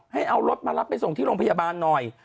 ให้เอารถมารับไปส่งที่โรงพยาบาลหน่อย